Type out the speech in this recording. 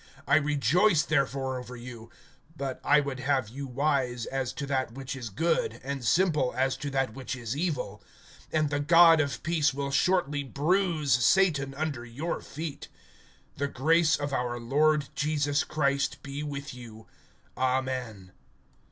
I rejoice therefore over you; but I would have you wise as to that which is good, and simple as to that which is evil. (20)And the God of peace will shortly bruise Satan under your feet. The grace of our Lord Jesus Christ be with you. Amen.